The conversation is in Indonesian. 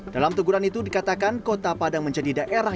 dalam teguran itu dikatakan kota padang menjadi daerah